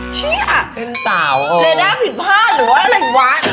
ชี้อะเรด้าผิดผ้านหรือว่าอะไรวะ